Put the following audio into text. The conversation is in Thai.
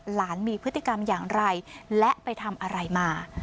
หลานมีพฤติกรรมอย่างไรและไปทำอะไรมา